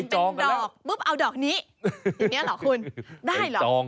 เห็นเป็นดอกเอาดอกนี้อย่างนี้หรอคุณ